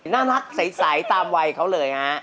น่ารักใสตามวัยเขาเลยฮะ